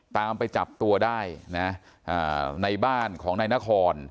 ตามไปจับตัวได้นะในบ้านของนายนคร